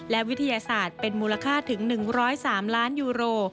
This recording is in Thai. และวิทยาศาสตร์เป็นมูลค่าถึง๑๐๓ล้านยูโร